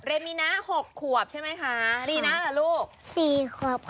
เรมีนะ๖ขวบใช่ไหมคะรีน่าล่ะลูก